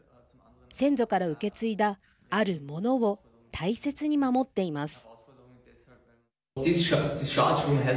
先祖から受け継いだ、あるものを大切に守っています。